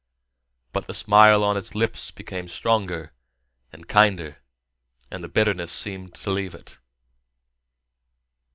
But the smile on its lips became stronger, and kinder, and the bitterness seemed to leave it.